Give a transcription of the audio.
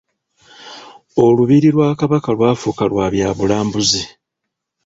Olubiri lwa Kabaka lwafuuka lwa bya bulambuzi.